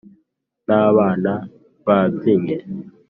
nababana babyinnye